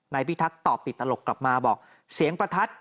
พิทักษ์ตอบติดตลกกลับมาบอกเสียงประทัด